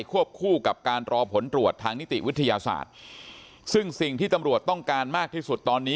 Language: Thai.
วบคู่กับการรอผลตรวจทางนิติวิทยาศาสตร์ซึ่งสิ่งที่ตำรวจต้องการมากที่สุดตอนนี้